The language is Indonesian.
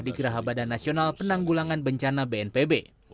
di geraha badan nasional penanggulangan bencana bnpb